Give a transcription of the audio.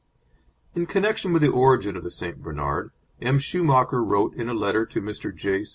In connection with the origin of the St. Bernard, M. Schumacher wrote in a letter to Mr. J.